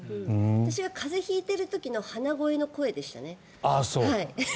私は風邪引いてる時の鼻声の声でしたね。